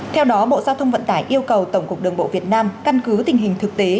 theo đó bộ giao thông vận tải yêu cầu tổng cục đường bộ việt nam căn cứ tình hình thực tế